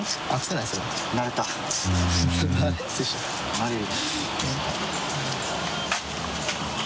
慣れる。